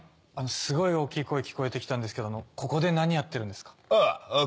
すごい大きい声聞こえてきたんですけどここで何やってるんですか？